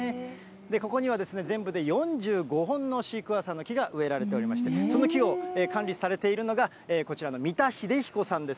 ここには全部で４５本のシークワーサーの木が植えられていまして、その木を管理されているのが、こちらの三田英彦さんです。